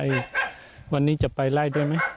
วันนี้จะไปไล่ด้วยไหม